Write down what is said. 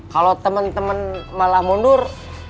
kalau temen temen malah mundur